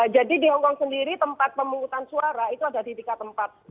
jadi di hongkong sendiri tempat pemungutan suara itu ada di tiga tempat